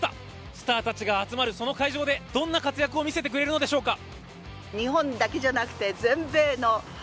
スターたちが集まるその会場でどんな活躍を見せてくれるのでしょうか。